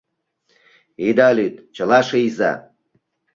— Ида лӱд, чыла шийза.